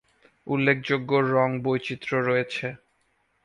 উল্লেখযোগ্য রঙ বৈচিত্র রয়েছে।